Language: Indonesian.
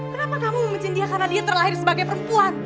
kenapa kamu memicin dia karena dia terlahir sebagai perempuan